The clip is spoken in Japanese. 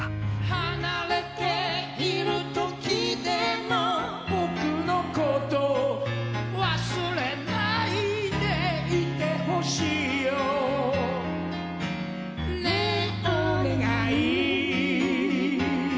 離れている時でもぼくのこと忘れないでいてほしいよねぇおねがい